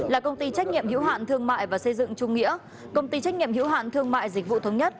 là công ty trách nhiệm hữu hạn thương mại và xây dựng trung nghĩa công ty trách nhiệm hiếu hạn thương mại dịch vụ thống nhất